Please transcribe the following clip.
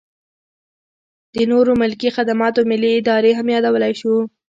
د نورو ملکي خدماتو ملي ادارې هم یادولی شو.